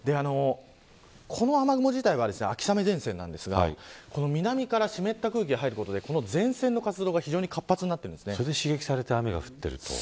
この雨雲自体は秋雨前線なんですが南から湿った空気が入ることで前線の活動が刺激されて雨が降っている。